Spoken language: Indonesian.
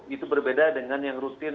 itu berbeda dengan yang rutin